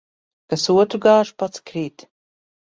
Kas otru gāž, pats krīt.